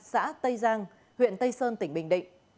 xã tây giang huyện tây sơn tỉnh bình định